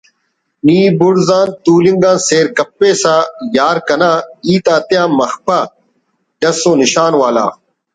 نی بڑزا تولنگ آن سیر کپیسہ یار کنا ہیت آتیا مخپہ ڈس و نشان والا